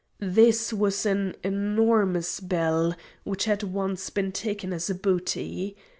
This was an enormous bell, which had once been taken as booty.